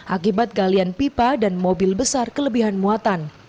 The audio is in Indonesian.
akibat galian pipa dan mobil besar kelebihan muatan